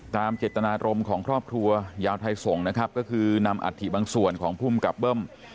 ตามเจตนารมณ์ของครอบครัวยาวไทยส่งนะครับก็คือนำอัฐิบางส่วนของภูมิกับเบิ้ม